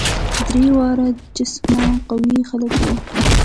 درې واړه جسما قوي خلک وه.